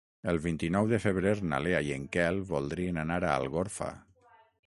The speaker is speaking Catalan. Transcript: El vint-i-nou de febrer na Lea i en Quel voldrien anar a Algorfa.